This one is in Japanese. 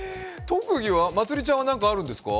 特技はまつりちゃんは何かあるんですか？